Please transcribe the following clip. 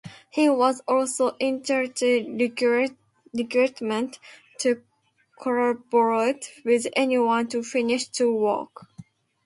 He was also initially reluctant to collaborate with anyone to finish to work.